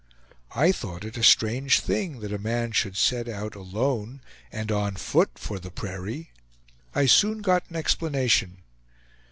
I thought it a strange thing that a man should set out alone and on foot for the prairie. I soon got an explanation.